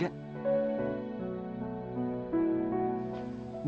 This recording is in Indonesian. kamu gak tega